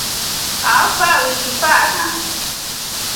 How far wit di far?